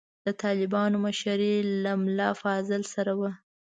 د طالبانو مشري له ملا فاضل سره وه.